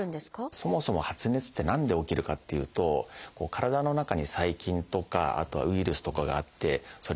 そもそも発熱って何で起きるかっていうと体の中に細菌とかあとはウイルスとかがあってそれ